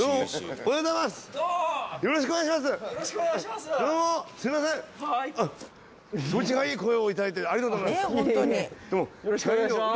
おはようございます。